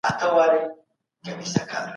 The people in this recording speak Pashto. ګاز لرونکي څښاک روغتیا ته زیان رسوي.